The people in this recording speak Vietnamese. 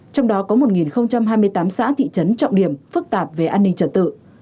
trong đó có một hai mươi tám xã thị trấn trọng điểm phức tạp về an ninh trật tự